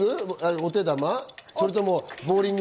お手玉？